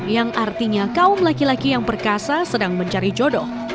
yang artinya kaum laki laki yang perkasa sedang mencari jodoh